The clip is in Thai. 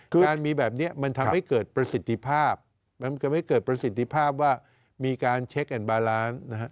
คือการมีแบบนี้มันทำให้เกิดประสิทธิภาพมันทำให้เกิดประสิทธิภาพว่ามีการเช็คแอนดบาลานซ์นะฮะ